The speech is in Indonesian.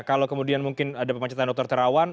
kalau kemudian mungkin ada pemacetan dokter kerewan